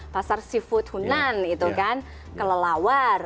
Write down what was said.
pasar seafood hunan itu kan kelelawar